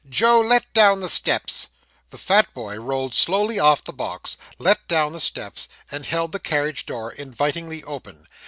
Joe, let down the steps.' The fat boy rolled slowly off the box, let down the steps, and held the carriage door invitingly open.